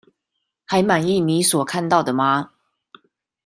還滿意你所看到的嗎？